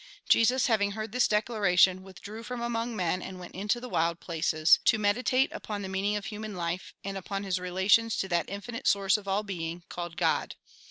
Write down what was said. Jesus, having heard this declaration, withdrew from among men and went into the wild places, to meditate upon the meaning of human life, and upon his relations to that infinite source of all being, called God.